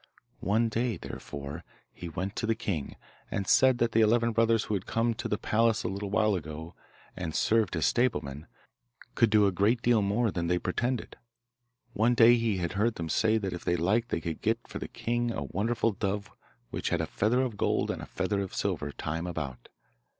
One day, therefore, he went to the king, and said that the eleven brothers who had come to the palace a little while ago, and served as stablemen, could do a great deal more than they pretended. One day he had heard them say that if they liked they could get for the king a wonderful dove which had a feather of gold and a feather of silver time about.